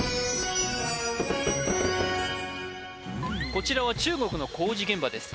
こちらは中国の工事現場です